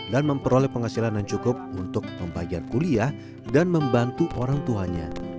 dan memperoleh penghasilan yang cukup untuk membayar kuliah dan membantu orang tuanya